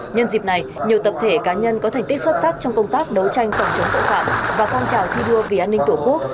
nhân dịp này nhiều tập thể cá nhân có thành tích xuất sắc trong công tác đấu tranh phòng chống tội phạm và phong trào thi đua vì an ninh tổ quốc